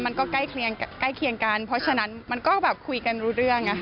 มันก็ใกล้เคียงกันเพราะฉะนั้นมันก็แบบคุยกันรู้เรื่อง